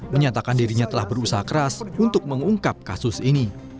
menyatakan dirinya telah berusaha keras untuk mengungkap kasus ini